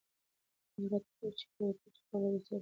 هغه راته وویل چې یوه پټه خبره درسره لرم.